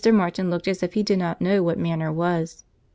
Martin looked as if he did not know what manner was.